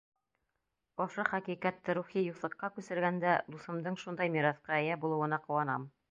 Ошо хәҡиҡәтте рухи юҫыҡҡа күсергәндә, дуҫымдың шундай мираҫҡа эйә булыуына ҡыуанам.